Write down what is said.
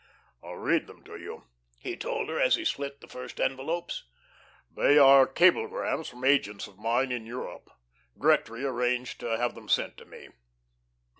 "I'll read them to you," he told her as he slit the first envelopes. "They are cablegrams from agents of mine in Europe. Gretry arranged to have them sent to me.